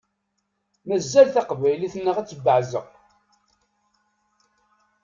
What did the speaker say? Mazal taqbaylit-nneɣ ad tebbeɛzeq.